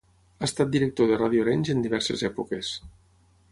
Ha estat director de Ràdio Arenys en diverses èpoques.